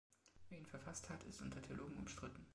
Wer ihn verfasst hat, ist unter Theologen umstritten.